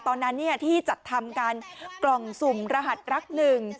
ตอนนั้นที่จัดทำการกล่องสุ่มรหัสรักหนึ่ง